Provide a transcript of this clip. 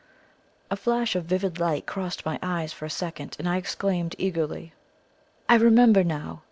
A flash of vivid light crossed my eyes for a second, and I exclaimed eagerly: "I remember now!